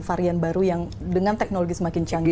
varian baru yang dengan teknologi semakin canggih